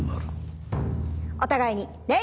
お互いに礼！